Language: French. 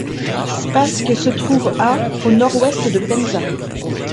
Spassk se trouve à au nord-ouest de Penza.